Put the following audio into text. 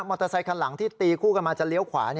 อเตอร์ไซคันหลังที่ตีคู่กันมาจะเลี้ยวขวา